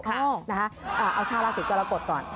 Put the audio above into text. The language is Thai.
เอาชาวราศีกรกฎก่อน